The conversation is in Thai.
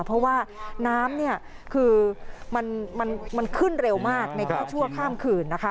เพราะว่าน้ำเนี่ยคือมันขึ้นเร็วมากในชั่วข้ามคืนนะคะ